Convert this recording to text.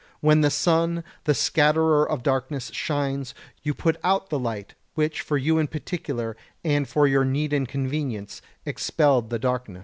When the sun, the scatterer of darkness, shines, you put out the light which for you in particular, and for your need and convenience, expelled the darkness.